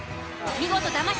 見事だま